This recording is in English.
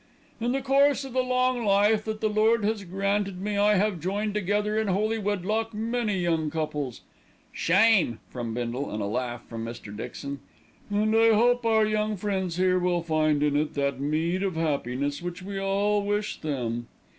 "In the course of the long life that the Lord has granted me, I have joined together in holy wedlock many young couples ("Shame!" from Bindle, and a laugh from Mr. Dixon), and I hope our young friends here will find in it that meed of happiness which we all wish them."